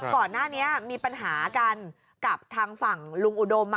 ก่อนหน้านี้มีปัญหากันกับทางฝั่งลุงอุดม